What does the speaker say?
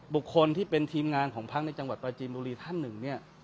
บุคคลที่เป็นทีมงานของพักในจังหวัดปราจีนบุรีท่านหนึ่งเนี่ย